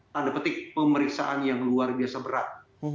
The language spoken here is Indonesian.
tanda petik pemeriksaan yang luar biasa berat